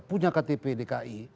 punya ktp dki